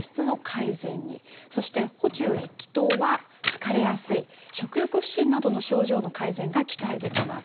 そして「補中益気湯」は疲れやすい食欲不振などの症状の改善が期待できます。